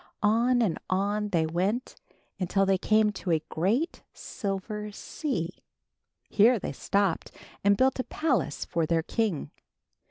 On and on they went, until they came to a great silver sea. Here they stopped and built a palace for their king.